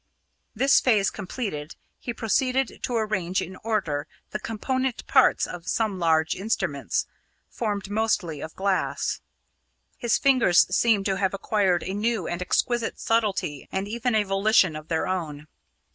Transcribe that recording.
This phase completed, he proceeded to arrange in order the component parts of some large instruments, formed mostly of glass. His fingers seemed to have acquired a new and exquisite subtlety and even a volition of their own.